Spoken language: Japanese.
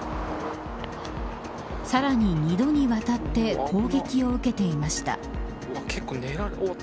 さらに２度にわたって攻撃を受けていました。